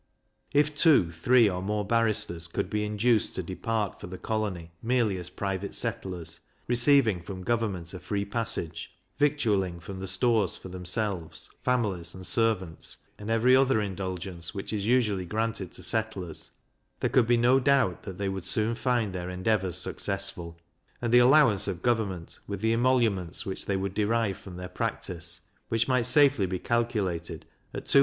If two, three, or more barristers, could be induced to depart for the colony merely as private settlers, receiving from government a free passage; victualling from the stores for themselves, families, and servants; and every other indulgence which is usually granted to settlers, there could be no doubt that they would soon find their endeavours successful; and the allowance of government, with the emoluments which they would derive from their practice, which might safely be calculated at 200L.